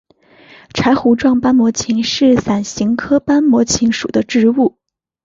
柴胡状斑膜芹是伞形科斑膜芹属的植物。